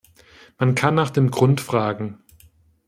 Man kann nach dem Grund fragen.